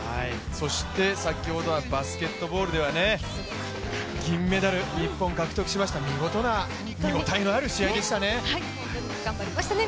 そして先ほどはバスケットボールではね、銀メダル、日本、獲得しました見事な見応えのある試合でしたね。